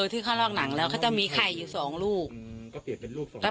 ที่เขาลอกหนังแล้วเขาจะมีไข่อยู่สองลูกก็เปลี่ยนเป็นลูกสองลูก